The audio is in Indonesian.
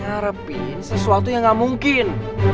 ngarepin sesuatu yang gak mungkin